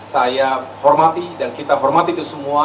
saya hormati dan kita hormati itu semua